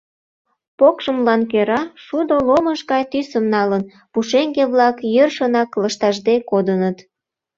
Покшымлан кӧра шудо ломыж гай тӱсым налын, пушеҥге-влак йӧршынак лышташде кодыныт.